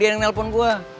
dia yang ngelepon gue